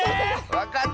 わかった！